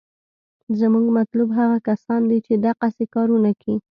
زمونګه مطلوب هغه کسان دي چې دقسې کارونه کيي.